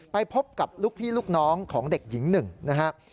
ไปพบกับลูกพี่ลูกน้องของเด็กหญิงหนึ่งนะครับ